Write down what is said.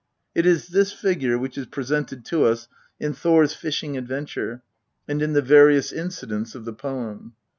It is this figure which is presented to us in Thor's fishing adventure, and in the various incidents of the poem.